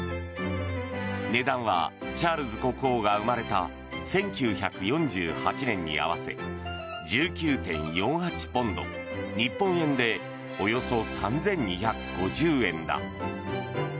値段はチャールズ国王が生まれた１９４８年に合わせ１９．４８ポンド日本円でおよそ３２５０円だ。